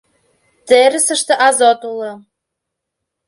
Терысыште азот уло.